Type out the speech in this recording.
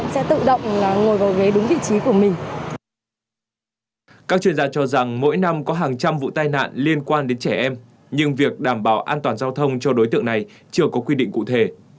các chuyên gia cho rằng mỗi năm có hàng trăm vụ tai nạn liên quan đến trẻ em nhưng việc đảm bảo an toàn giao thông cho đối tượng này chưa có quy định cụ thể